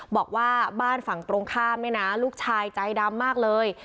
บอกว่าบ้านฝั่งตรงข้ามเนี่ยนะลูกชายใจดำมากเลย